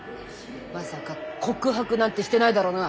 まさか告白なんてしてないだろうな！